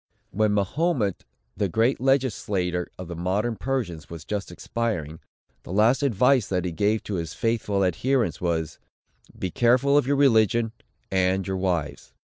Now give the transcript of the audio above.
When Mahomet, the great legislator of the modern Persians, was just expiring, the last advice that he gave to his faithful adherents, was, "Be watchful of your religion, and your wives."